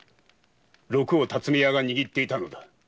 六を巽屋が握っていたのだ。